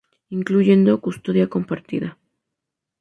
Incluyendo custodia compartida.